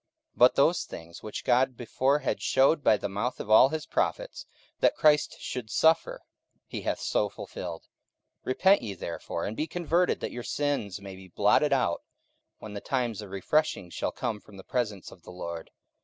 44:003:018 But those things, which God before had shewed by the mouth of all his prophets, that Christ should suffer, he hath so fulfilled. 44:003:019 Repent ye therefore, and be converted, that your sins may be blotted out, when the times of refreshing shall come from the presence of the Lord.